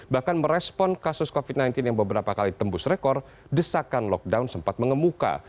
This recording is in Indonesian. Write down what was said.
bahkan merespon kasus covid sembilan belas yang beberapa kali tembus rekor desakan lockdown sempat mengemuka